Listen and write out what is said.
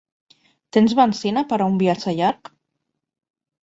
Tens benzina per a un viatge llarg?